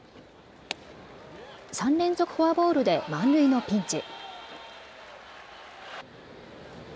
３連続フォアボールで満塁のピンチ。